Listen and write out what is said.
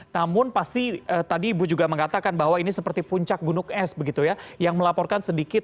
namun pasti tadi ibu juga mengatakan bahwa ini seperti puncak gunung es begitu ya yang melaporkan sedikit